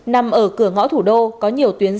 nằm ở cửa ngõ thủ đô có nhiều tuyến